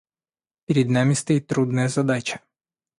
Перед нами стоит трудная задача.